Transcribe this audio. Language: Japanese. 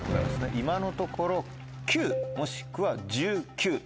今のところ９もしくは１９。